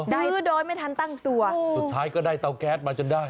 ซื้อโดยไม่ทันตั้งตัวสุดท้ายก็ได้เตาแก๊สมาจนได้